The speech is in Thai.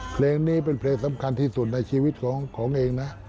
เพลงนี้เป็นเพลงสำคัญที่สุดในชีวิตของเองนะ